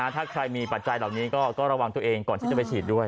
ถ้าใครมีปัจจัยเหล่านี้ก็ระวังตัวเองก่อนที่จะไปฉีดด้วย